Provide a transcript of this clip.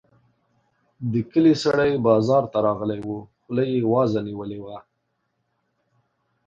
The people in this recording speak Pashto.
د کلي سړی بازار ته راغلی وو؛ خوله يې وازه نيولې وه.